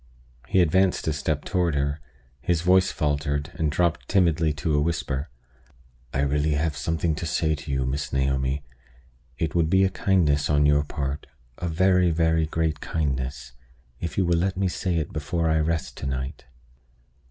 He advanced a step toward her; his voice faltered, and dropped timidly to a whisper. "I really have something to say to you, Miss Naomi. It would be a kindness on your part a very, very great kindness if you will let me say it before I rest to night."